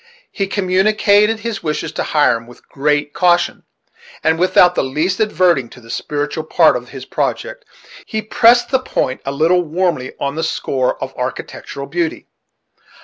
He communicated his wishes to Hiram with great caution; and, without in the least adverting to the spiritual part of his project, he pressed the point a little warmly on the score of architectural beauty.